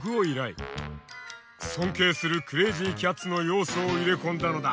尊敬するクレイジーキャッツの要素を入れ込んだのだ。